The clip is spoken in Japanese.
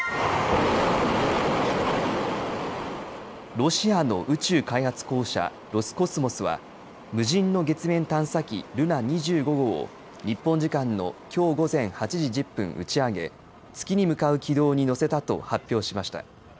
ロシアの宇宙開発公社ロスコスモスは無人の月面探査機ルナ２５号を日本時間のきょう午前８時１０分、打ち上げ月に向かう軌道に乗せたと発表しました。